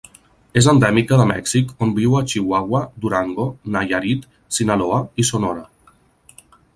És endèmica de Mèxic, on viu a Chihuahua, Durango, Nayarit, Sinaloa i Sonora.